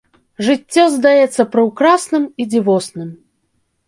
Жыццё здаецца прыўкрасным і дзівосным.